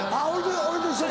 俺と一緒か。